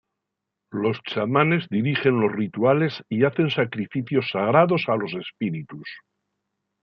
Los chamanes dirigen los rituales y hacen sacrificios sagrados a los espíritus.